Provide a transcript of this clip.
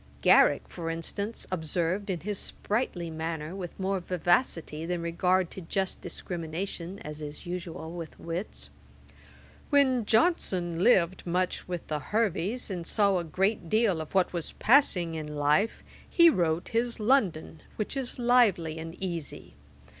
Garrick, for instance, observed in his sprightly manner, with more vivacity than regard to just discrimination, as is usual with wits, 'When Johnson lived much with the Herveys, and saw a good deal of what was passing in life, he wrote his London, which is lively and easy.